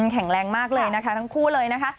แข็งแรงมากเลยนะคะทั้งคู่เลยนะคะ